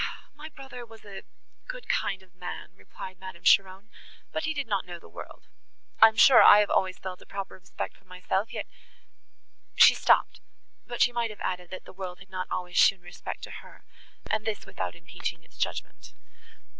"My brother was a good kind of a man," replied Madame Cheron, "but he did not know the world. I am sure I have always felt a proper respect for myself, yet—" she stopped, but she might have added, that the world had not always shown respect to her, and this without impeaching its judgment.